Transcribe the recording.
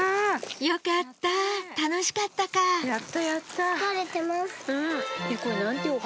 よかった楽しかったかやったやった。